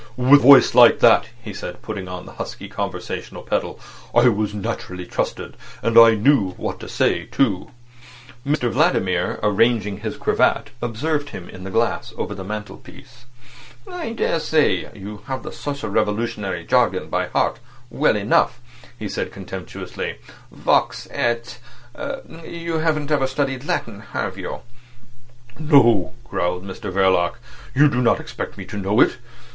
"With a voice like that," he said, putting on the husky conversational pedal, "I was naturally trusted. And I knew what to say, too." Mr Vladimir, arranging his cravat, observed him in the glass over the mantelpiece. "I daresay you have the social revolutionary jargon by heart well enough," he said contemptuously. "Vox et. .. You haven't ever studied Latin—have you?" "No," growled Mr Verloc. "You did not expect me to know it.